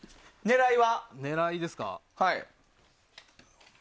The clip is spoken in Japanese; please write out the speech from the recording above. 狙いですか。